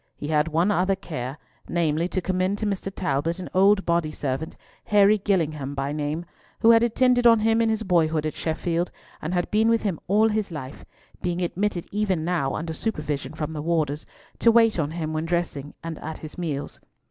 He had one other care, namely to commend to Mr. Talbot an old body servant, Harry Gillingham by name, who had attended on him in his boyhood at Sheffield, and had been with him all his life, being admitted even now, under supervision from the warders, to wait on him when dressing and at his meals.